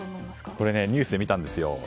これ、ニュースで見たんですよ。